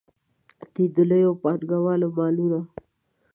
دوی د لویو پانګوالو مالونه.